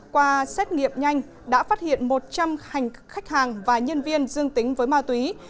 qua xét nghiệm nhanh đã phát hiện một trăm linh khách hàng và nhân viên dương tính với ma túy